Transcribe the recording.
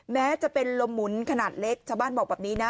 แม้จะเป็นลมหมุนขนาดเล็กชาวบ้านบอกแบบนี้นะ